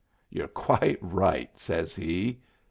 "You're quite right," says he.